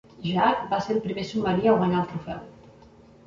"Jack" va ser el primer submarí a guanyar el trofeu.